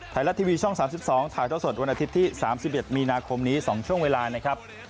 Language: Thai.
ไทยรัฐทีวีช่อง๓๒ถ่ายเท่าสดวันอาทิตย์ที่๓๑มีนาคมนี้๒ช่วงเวลานะครับ